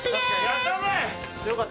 やったぜ。